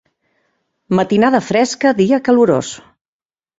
Matinada fresca, dia calorós.